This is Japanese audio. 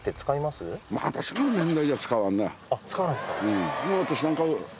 あ使わないですか。